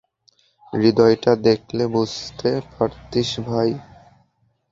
হৃদয়টা দেখলে বুঝতে পারতিস ভাই!